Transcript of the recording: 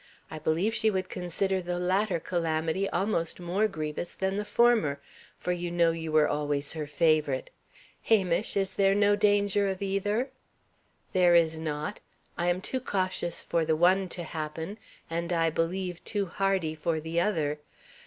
I believe she would consider the latter calamity almost more grievous than the former, for you know you were always her favourite. Hamish; is there no danger of either?" "There is not. I am too cautious for the one to happen, and, I believe, too hardy for the other.